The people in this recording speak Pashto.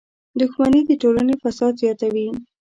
• دښمني د ټولنې فساد زیاتوي.